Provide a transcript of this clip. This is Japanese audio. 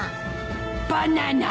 バナナ！